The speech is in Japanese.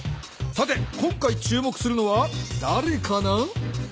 さて今回注目するのはだれかな？